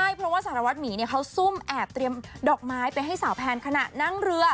เพราะว่าสารวัตรหมีเขาซุ่มแอบเตรียมดอกไม้ไปให้สาวแพนขณะนั่งเรือ